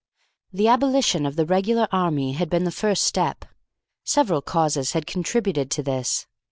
The abolition of the regular army had been the first step. Several causes had contributed to this.